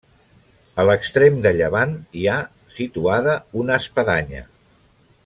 A l'extrem de llevant hi ha situada una espadanya.